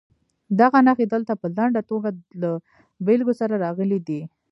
دغه نښې دلته په لنډه توګه له بېلګو سره راغلي دي.